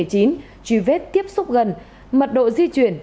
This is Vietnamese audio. truy vết tiếp xúc gần mật độ di chuyển